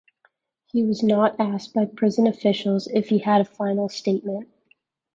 He was not asked by prison officials if he had a final statement.